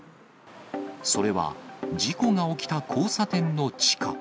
それは事故が起きた交差点の地下。